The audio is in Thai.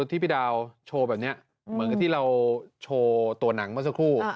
ที่พี่ดาวโชว์แบบนี้เหมือนกับที่เราโชว์ตัวหนังเมื่อสักครู่